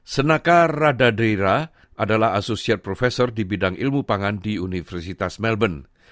senaka radaira adalah asosiat profesor di bidang ilmu pangan di universitas melbourne